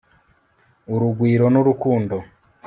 urugwiro n'urukundo